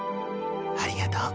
ありがとう。